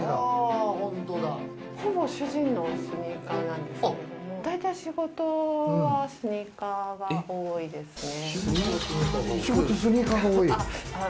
ほぼ主人のスニーカーなんですけど、だいたい仕事はスニーカーが多いですね。